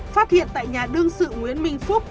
phát hiện tại nhà đương sự nguyễn minh phúc